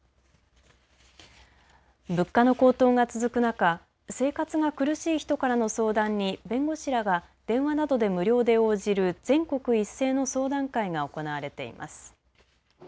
物価の高騰が続く中、生活が苦しい人からの相談に弁護士らが電話などで無料で応じる全国一斉の相談会が行われています。